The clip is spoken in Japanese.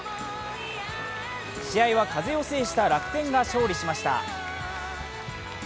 試合は風を制した楽天が勝利しました。